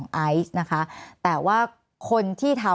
แอนตาซินเยลโรคกระเพาะอาหารท้องอืดจุกเสียดแสบร้อน